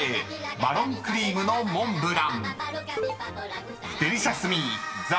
マロンクリームのモンブラン］